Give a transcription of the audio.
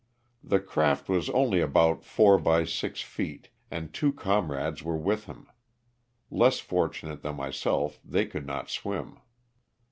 The craft was only about four by six feet and two comrades were with him ; less fortunate than myself they could not swim.